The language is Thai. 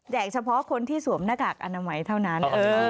เฉพาะคนที่สวมหน้ากากอนามัยเท่านั้น